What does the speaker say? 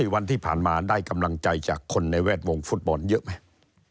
วันที่ผ่านมาได้กำลังใจจากคนในแวดวงฟุตบอลเยอะไหม